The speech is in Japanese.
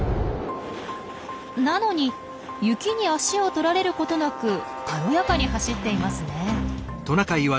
なのに雪に足を取られることなく軽やかに走っていますね。